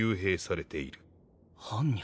般若？